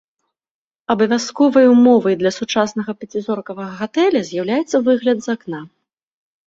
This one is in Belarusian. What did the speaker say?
Абавязковай умовай для сучаснага пяцізоркавага гатэля з'яўляецца выгляд з акна.